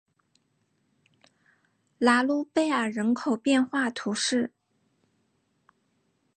拉卢贝尔人口变化图示